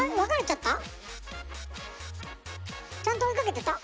ちゃんと追いかけてた？